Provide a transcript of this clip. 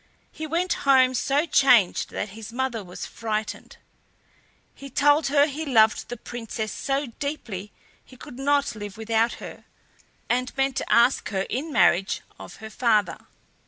He went home so changed that his mother was frightened. He told her he loved the Princess so deeply he could not live without her, and meant to ask her in marriage of her father.